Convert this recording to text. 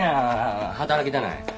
働きたない。